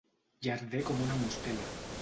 Llarder com una mostela.